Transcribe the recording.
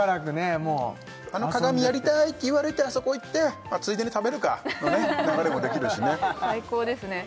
もう「あの鏡やりたい」って言われてあそこ行って「ついでに食べるか」の流れもできるしね最高ですね